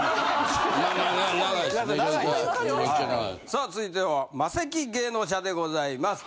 さあ続いてはマセキ芸能社でございます。